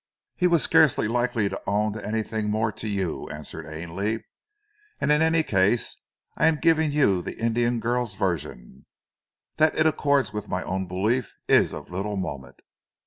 "He was scarcely likely to own to anything more, to you," answered Ainley, "and in any case I am giving you the Indian girl's version; that it accords with my own belief is of little moment.